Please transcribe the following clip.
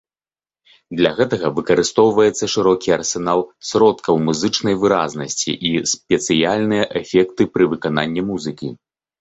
Для гэтага выкарыстоўваецца шырокі арсенал сродкаў музычнай выразнасці і спецыяльныя эфекты пры выкананні музыкі.